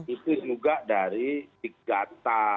itu juga dari big data